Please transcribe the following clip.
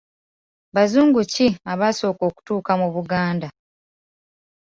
Bazungu ki abaasooka okutuuka mu Buganda?